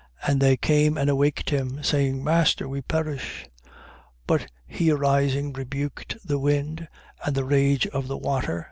8:24. And they came and awaked him, saying: Master, we perish. But he arising, rebuked the wind and the rage of the water.